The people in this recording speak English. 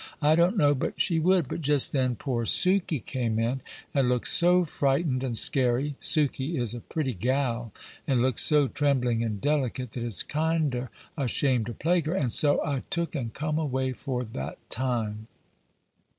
I don't know but she would, but just then poor Sukey came in, and looked so frightened and scarey Sukey is a pretty gal, and looks so trembling and delicate, that it's kinder a shame to plague her, and so I took and come away for that time."